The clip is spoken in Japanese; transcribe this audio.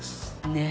ねえ！